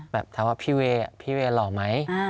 แบบถามว่าพี่เวพี่เวหล่อไหม